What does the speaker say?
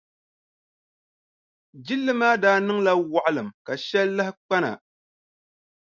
Jilli maa daa niŋla waɣilim ka shɛli lahi kpa na.